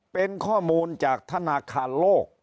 เป็นข้อมูลจากธนาคารโลก